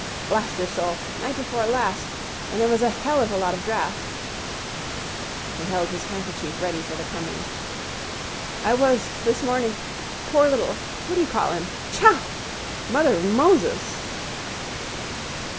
blast your soul... night before last... and there was a hell of a lot of draught... He held his handkerchief ready for the coming... —I was... Glasnevin this morning... poor little... what do you call him... Chow!... Mother of Moses!